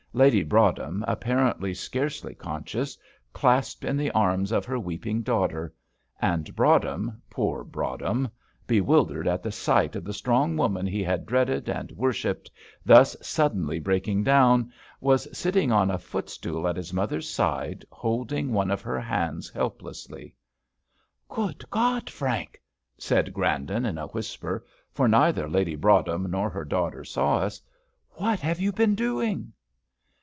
Lady Broadhem, apparently scarcely conscious, clasped in the arms of her weeping daughter; and Broadhem poor Broadhem bewildered at the sight of the strong woman he had dreaded and worshipped thus suddenly breaking down, was sitting on a footstool at his mother's side, holding one of her hands, helplessly. "Good God! Frank," said Grandon, in a whisper, for neither Lady Broadhem nor her daughter saw us, "what have you been doing?"